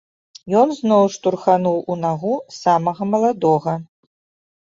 Ён зноў штурхануў у нагу самага маладога.